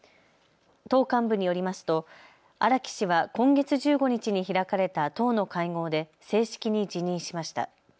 党幹部によりますと荒木氏は今月１５日に開かれた党の会合で正式に辞任しました。